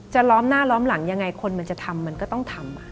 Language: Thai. ล้อมหน้าล้อมหลังยังไงคนมันจะทำมันก็ต้องทำ